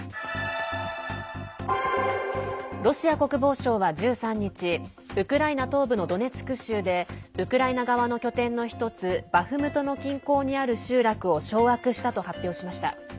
ロシア国防省は１３日ウクライナ東部のドネツク州でウクライナ側の拠点の１つバフムトの近郊にある集落を掌握したと発表しました。